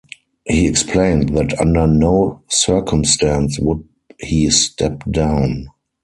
He explained that under no circumstance would he step down.